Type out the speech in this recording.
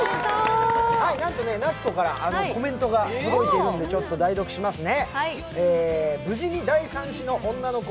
なんと夏子からコメントが届いていますので代読しますね。